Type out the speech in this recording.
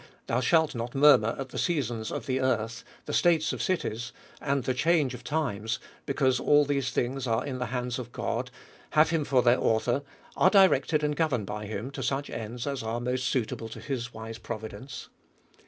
Thou shalt not mur mur at the seasons of the earth, the states of cities, and the change of times, because all these things are in the hands of God, have him for their author, are directed and governed by him to such ends, as are most suitable to his wise providence?